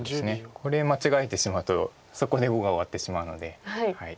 これ間違えてしまうとそこで碁が終わってしまうので。